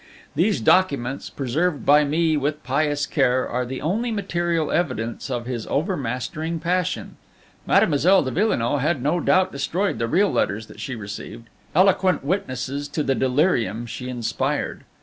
These documents, preserved by me with pious care, are the only material evidence of his overmastering passion. Mademoiselle de Villenoix had no doubt destroyed the real letters that she received, eloquent witnesses to the delirium she inspired.